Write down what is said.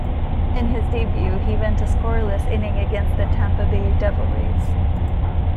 In his debut, he went a scoreless inning against the Tampa Bay Devil Rays.